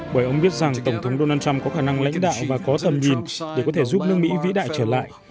bởi ông biết rằng tổng thống donald trump có khả năng lãnh đạo và có tầm nhìn để có thể giúp nước mỹ vĩ đại trở lại